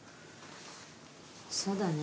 そうだね。